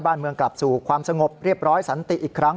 บ้านเมืองกลับสู่ความสงบเรียบร้อยสันติอีกครั้ง